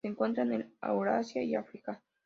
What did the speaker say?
Se encuentra en el Eurasia y África.